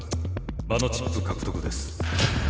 場のチップ獲得です。